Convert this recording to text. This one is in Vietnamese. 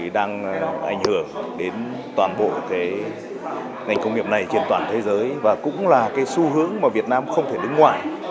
đang ảnh hưởng đến toàn bộ ngành công nghiệp này trên toàn thế giới và cũng là xu hướng mà việt nam không thể đứng ngoài